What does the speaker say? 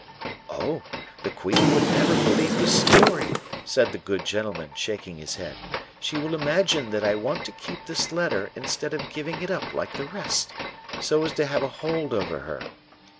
"'Oh! the queen would never believe the story,' said the good gentleman, shaking his head; 'she will imagine that I want to keep this letter instead of giving it up like the rest, so as to have a hold over her.